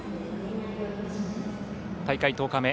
大会１０日目